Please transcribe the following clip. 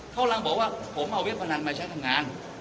เขากำลังบอกว่าผมเอาเว็บพนันมาใช้ทำงาน